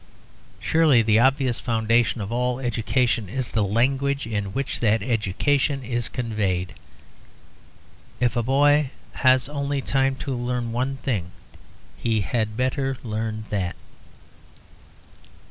Surely the obvious foundation of all education is the language in which that education is conveyed; if a boy has only time to learn one thing, he had better learn that.